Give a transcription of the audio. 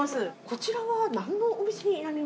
こちらは何のお店になりますか？